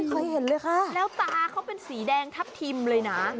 เคยเห็นเลยค่ะแล้วตาเขาเป็นสีแดงทับทิมเลยนะ